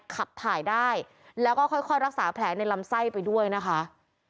ขับถ่ายได้แล้วก็ค่อยรักษาแผลในลำไส้ไปด้วยนะคะ